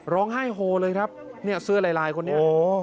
ร้องไห้โฮเลยครับเสื้อลายคนนี้